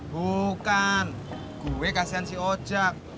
bukan gue kasihan si ojok